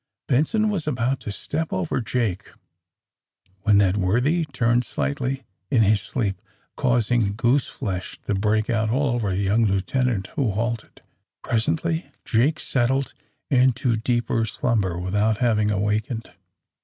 Benson was about to step over Jake when that worthy turned slightly in his sleep, causing *^gooseflesh" to break out all over the young lieutenant, who halted. Presently Jake settled into deeper slumber, without having awakened.